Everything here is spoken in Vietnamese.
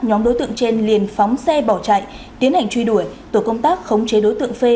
nhóm đối tượng trên liền phóng xe bỏ chạy tiến hành truy đuổi tổ công tác khống chế đối tượng phê